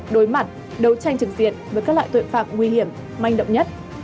đối mặt đấu tranh trực diện với các loại tội phạm nguy hiểm manh động nhất